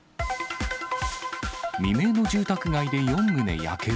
未明の住宅街で４棟焼ける。